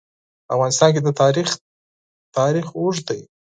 په افغانستان کې د تاریخ تاریخ اوږد دی.